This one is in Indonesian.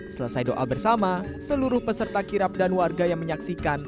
selesai doa bersama seluruh peserta kirap dan warga yang menyaksikan